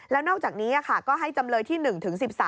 แล้วนอกจากนี้ก็ให้จำเลยที่๑ถึง๑๓